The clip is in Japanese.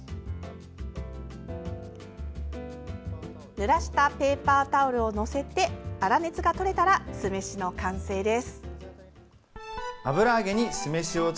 ぬらしたペーパータオルを載せて粗熱がとれたら酢飯の完成です。